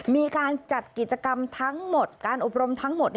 มีการจัดกิจกรรมทั้งหมดการอบรมทั้งหมด